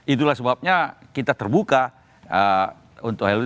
itulah sebabnya kita terbuka untuk llu